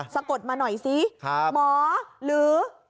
สะกดมาหน่อยสิหมอหรือ